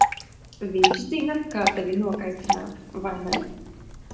Viņš zina, kā tevi nokaitināt, vai ne?